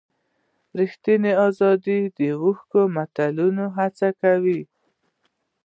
ریښتیني ازاد او ویښ ملتونه هڅې کوي.